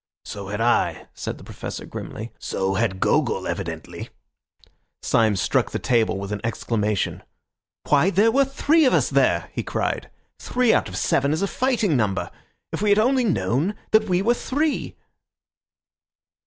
"So had I," said the Professor grimly; "so had Gogol evidently." Syme struck the table with an exclamation. "Why, there were three of us there!" he cried. "Three out of seven is a fighting number. If we had only known that we were three!"